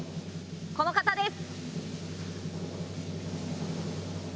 この方です。